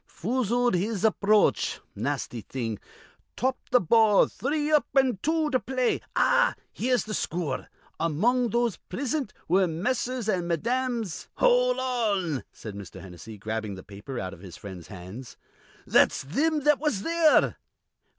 'Foozled his aproach,' nasty thing. 'Topped th' ball.' 'Three up an' two to play.' Ah, here's the scoor. 'Among those prisint were Messrs. an' Mesdames'" "Hol' on!" cried Mr. Hennessy, grabbing the paper out of his friend's hands. "That's thim that was there."